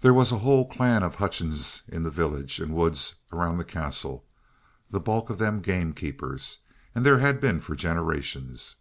There was a whole clan of Hutchingses in the villages and woods round the castle, the bulk of them gamekeepers; and there had been for generations.